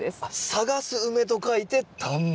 「探す梅」と書いて「探梅」。